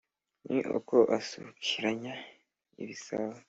ni uko asukiranya ibisabo